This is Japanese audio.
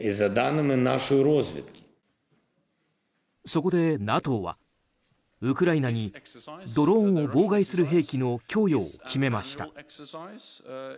そこで、ＮＡＴＯはウクライナにドローンを妨害する兵器の供与を決めました。